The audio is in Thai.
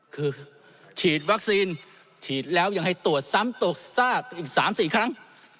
คือฉีดวัคซีนฉีดแล้วยังให้ตรวจซ้ำตกทราบอีก๓๔ครั้ง